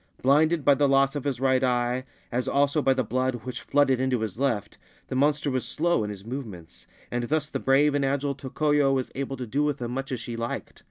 Blinded by the loss of his right eye, as also by the blood which flooded into his left, the monster was slow in his movements, and thus the brave and agile Tokoyo was able to do with him much as she liked.